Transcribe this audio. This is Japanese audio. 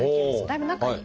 だいぶ中に。